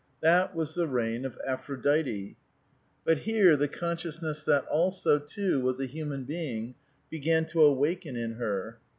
That was the reign of Aphrodite. "But here the consciousness that she, too, was a human being, began to awake in her.